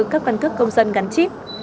các căn cước công dân gắn chíp